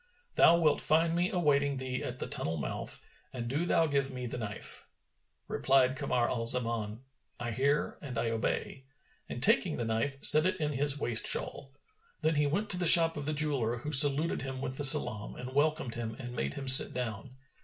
Thou wilt find me awaiting thee at the tunnel mouth, and do thou give me the knife." Replied Kamar al Zaman, "I hear and I obey," and taking the knife set it in his waist shawl. Then he went to the shop of the jeweller, who saluted him with the salam and welcomed him and made him sit down.